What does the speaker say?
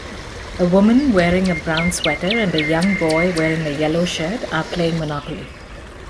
A woman wearing a brown sweater and a young boy wearing a yellow shirt are playing monopoly.